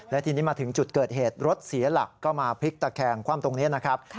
และทีนี้มาถึงจุดเกิดเหตุรถเสียหลักก็มาพลิกตะแคงคว่ำตรงนี้นะครับ